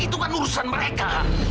itu kan urusan mereka